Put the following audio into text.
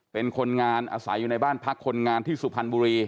เป็นคนงานอาศัยอยู่ในบ้านพักคนงานที่สุพรรณบุรี